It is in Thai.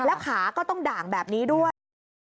แล้วขาก็ต้องด่างแบบนี้ด้วย